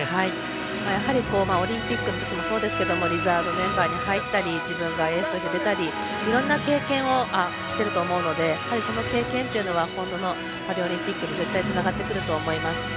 やはりオリンピックの時もそうですけどリザーブメンバーに入ったり自分がエースとして出たりいろんな経験をしてると思うのでその経験は今後のパリオリンピックに絶対つながってくると思います。